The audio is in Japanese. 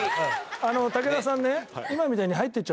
あの武田さんね。